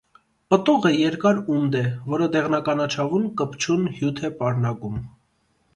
Պտուղը երկար ունդ է, որը դեղնականաչավուն կպչուն հյութ է պարունակում։